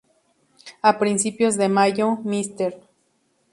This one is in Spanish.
A principios de mayo, "Mr.